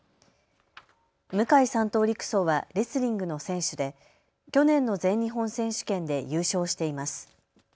向井３等陸曹はレスリングの選手で去年の全日本選手権で優勝しています。